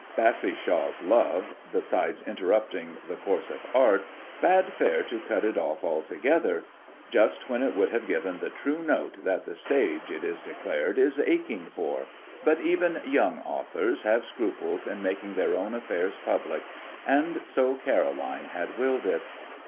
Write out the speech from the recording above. Bassishaw's love, besides interrupting the course of art, bade fair to cut it off altogether just when it would have given the true note that the stage, it is declared, is aching for. But even young authors have scruples in making their own affairs public, and so Caroline had willed it.